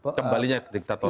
kembalinya ke diktatoran